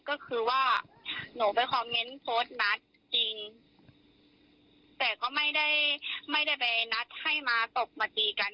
ก็คือว่าหนูไปคอมเมนต์โพสต์นัดจริงแต่ก็ไม่ได้ไม่ได้ไปนัดให้มาตบมาตีกัน